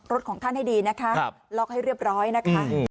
ของท่านให้ดีนะคะล็อกให้เรียบร้อยนะคะ